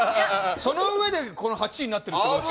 そのうえで８位になっているって。